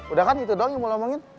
udah kan gitu doang yang mau ngomongin